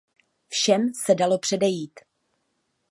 Všem se dalo předejít.